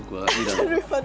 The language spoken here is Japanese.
なるほど。